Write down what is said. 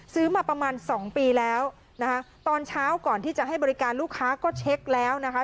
ซื้อมาประมาณสองปีแล้วนะคะตอนเช้าก่อนที่จะให้บริการลูกค้าก็เช็คแล้วนะคะ